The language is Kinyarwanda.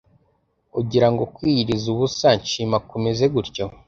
ugirango kwiyiriza ubusa nshima kumeze gutyo?